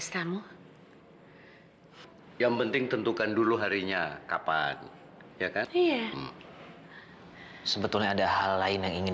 sampai jumpa di video selanjutnya